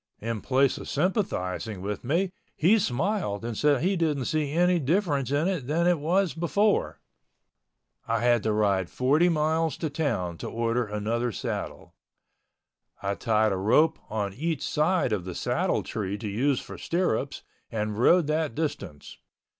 In place of sympathizing with me, he smiled and said he didn't see any difference in it than it was before. I had to ride 40 miles to town to order another saddle. I tied a rope on each side of the saddle tree to use for stirrups and rode that distance.